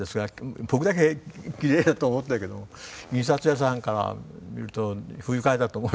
僕だけきれいだと思ったけども印刷屋さんから見ると不愉快だと思いますね